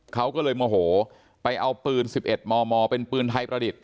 เขาก็เลยโมโหไปเอาปืน๑๑มมเป็นปืนไทยประดิษฐ